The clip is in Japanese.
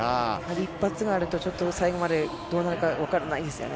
一発があると最後までどうなるかわからないですね。